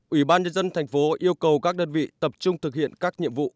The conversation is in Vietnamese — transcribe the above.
ủy ban nhân dân tp yêu cầu các đơn vị tập trung thực hiện các nhiệm vụ